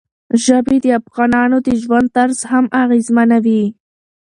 ژبې د افغانانو د ژوند طرز هم اغېزمنوي.